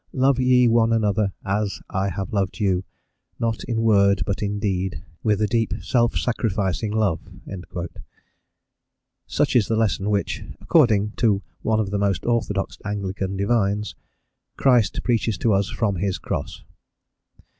"Love ye one another as I have loved you: not in word but in deed, with a deep self sacrificing love:" such is the lesson which, according to one of the most orthodox Anglican divines, "Christ preaches to us from His Cross."